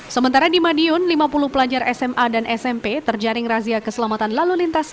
sementara di madiun lima puluh pelajar sma dan smp terjaring razia keselamatan lalu lintas